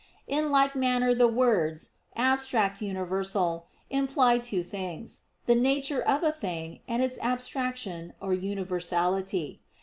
In like manner the words "abstract universal" imply two things, the nature of a thing and its abstraction or universality.